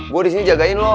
gue di sini jagain lo